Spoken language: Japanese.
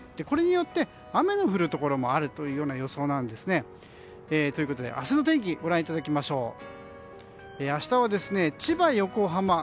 これによって、雨の降るところもあるというような予想なんですね。ということで明日の天気ご覧いただきましょう。